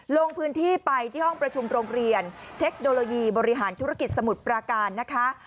ลงพื้นที่ไปที่ห้องประชุมโรงเรียนเทคโนโลยีบริหารธุรกิจสมุทรปราการนะคะ